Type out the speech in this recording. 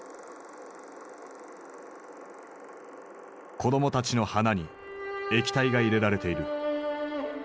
子供たちの鼻に液体が入れられている。